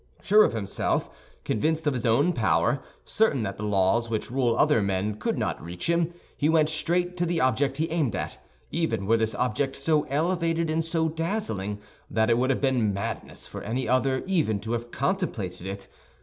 Sure of himself, convinced of his own power, certain that the laws which rule other men could not reach him, he went straight to the object he aimed at, even were this object so elevated and so dazzling that it would have been madness for any other even to have contemplated it.